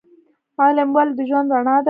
علم ولې د ژوند رڼا ده؟